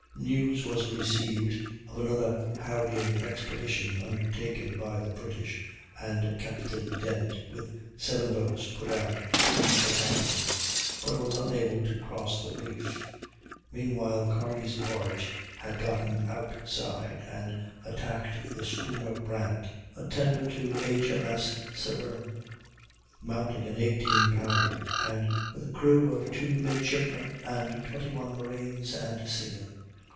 News was received of another harrying expedition undertaken by the British, and Captain Dent, with seven boats, put out to attack them, but was unable to cross the reef. Meanwhile Kearney's barge had gotten outside, and attacked the schooner Brant, a tender to H. M. S. Severn, mounting an 18 pounder, and with a crew of two midshipmen, and twenty one marines and seamen.